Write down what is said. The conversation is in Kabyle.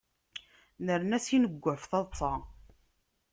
Nerna s ineggwaf taḍsa.